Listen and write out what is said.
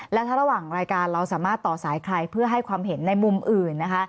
และถ้าระหว่างรายการเราสามารถต่อสายใครเพื่อให้ความเห็นในมุมอื่นนะคะ